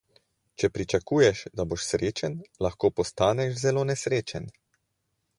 Če pričakuješ, da boš srečen, lahko postaneš zelo nesrečen.